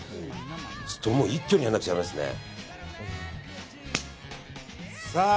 ちょっともう一挙にやらなくちゃだめですね。